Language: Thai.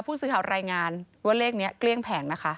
ผู้สื่อข่าวรายงานว่าเลขนี้เกลี้ยงแผงนะคะ